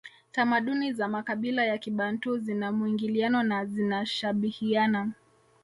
Tamaduni za makabila ya kibantu zina mwingiliano na zinashabihiana